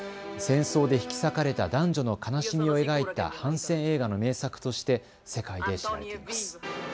戦争で引き裂かれた男女の悲しみを描いた反戦映画の名作として世界で知られています。